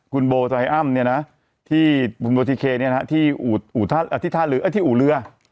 คุณโบเนี้ยนะที่เนี้ยนะที่อู่ท่าที่ท่าเอ่อที่อู่เรือ